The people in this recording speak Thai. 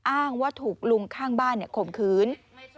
อ้างว่าถูกลุงข้างบ้านข่มขืน